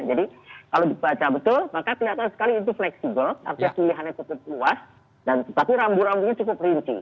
jadi kalau dibaca betul maka ternyata sekali itu fleksibel arti tulihannya cukup luas tapi rambu rambunya cukup rinci